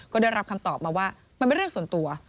ก็ได้รับคำตอบมาว่ามันเป็นเรื่องส่วนตัว